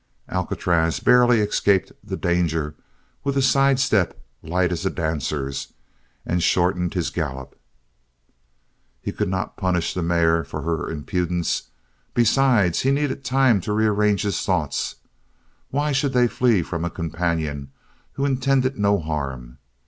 Alcatraz barely escaped the danger with a sidestep light as a dancer's and shortened his gallop. He could not punish the mare for her impudence; besides, he needed time to rearrange his thoughts. Why should they flee from a companion who intended no harm?